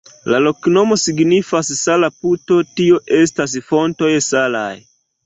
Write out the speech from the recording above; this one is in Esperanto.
La loknomo signifas sala-puto, tio estas fontoj salaj.